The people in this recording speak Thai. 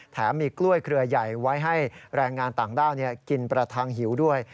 มีกล้วยเครือใหญ่ไว้ให้แรงงานต่างด้าวกินประทังหิวด้วย